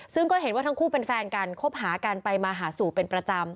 ซึ่งก็เห็นว่าทั้งคู่เป็นแฟนกันคบหากันไปมาหาสู่เป็นประจำ